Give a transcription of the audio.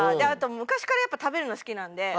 あと昔からやっぱ食べるの好きなんで。